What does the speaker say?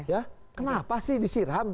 ya kenapa sih disiram